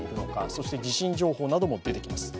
そして地震情報なども出てきます。